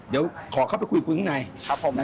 เดี๋ยวขอเข้าไปคุยกันข้างใน